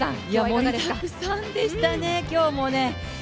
盛りだくさんでしたね、今日もね。